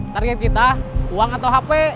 target kita uang atau hp